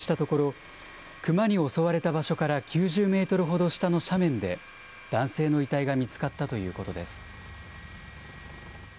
警察や消防が捜索したところ、クマに襲われた場所から９０メートルほど下の斜面で男性の遺体が見つかったということです。